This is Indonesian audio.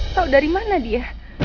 tahu dari mana dia